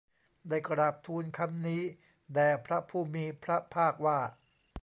ได้กราบทูลคำนี้แด่พระผู้มีพระภาคว่า